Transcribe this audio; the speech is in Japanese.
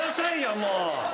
もう。